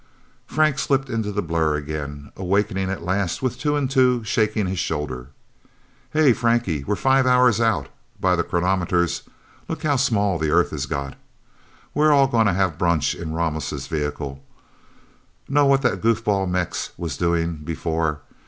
Frank slipped into the blur, again, awakening at last with Two and Two shaking his shoulder. "Hey, Frankie we're five hours out, by the chronometers look how small the Earth has got...! We're all gonna have brunch in Ramos' vehicle... Know what that goof ball Mex was doing, before?